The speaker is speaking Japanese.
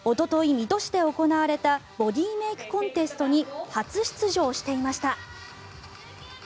水戸市で行われたボディーメイクコンテストに初出場していました。